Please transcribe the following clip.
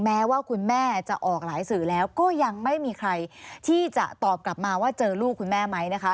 แม้ว่าคุณแม่จะออกหลายสื่อแล้วก็ยังไม่มีใครที่จะตอบกลับมาว่าเจอลูกคุณแม่ไหมนะคะ